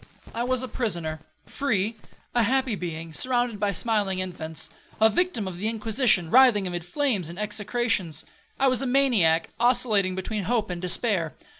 I was a prisoner,—free,—a happy being, surrounded by smiling infants,—a victim of the Inquisition, writhing amid flames and execrations. I was a maniac, oscillating between hope and despair.